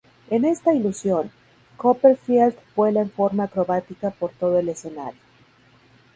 En esta ilusión, Copperfield vuela en forma acrobática por todo el escenario.